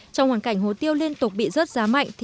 trong hoàn cảnh hồ tiêu liên tục bị rớt giá mạnh